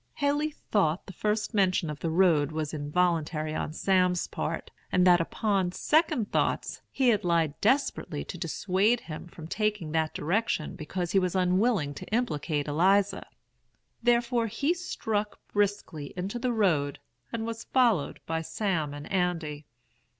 "Haley thought the first mention of the road was involuntary on Sam's part, and that, upon second thoughts, he had lied desperately to dissuade him from taking that direction because he was unwilling to implicate Eliza. Therefore he struck briskly into the road, and was followed by Sam and Andy.